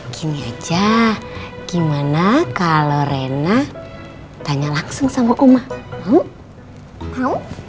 gini aja gimana kalau rena tanya langsung sama oma mau mau